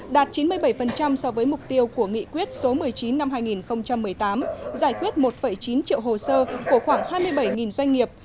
đạt chín mươi bảy so với mục tiêu của nghị quyết số một mươi chín năm hai nghìn một mươi tám giải quyết một chín triệu hồ sơ của khoảng hai mươi bảy doanh nghiệp